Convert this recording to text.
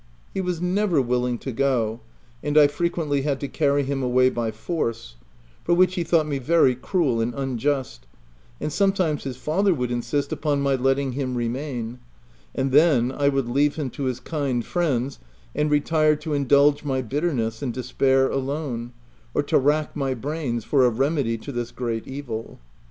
He was never willing to go, and I frequently had to carry him away by force ; for which he thought me very cruel and unjust ; and sometimes his father would insist upon ray letting him remain ;— and then, I would leave him to his kind friends, and retire to indulge my bitterness and despair alone or to rack my brains for a remedy to this great evil.